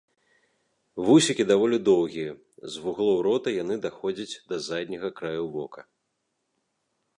Вусікі даволі доўгія, з вуглоў рота яны даходзяць да задняга краю вока.